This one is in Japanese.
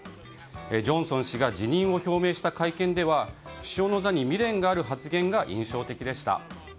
ジョンソン氏が辞任を表明した会見では首相の座に未練がある発言が印象的でした。